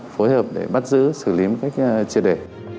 phối hợp để bắt giữ xử lý những triệt để